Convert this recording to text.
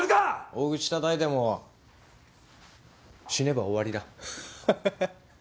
大口たたいても死ねば終わりだはははっ。